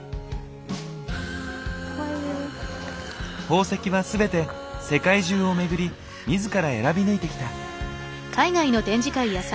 宝石は全て世界中をめぐり自ら選びぬいてきた。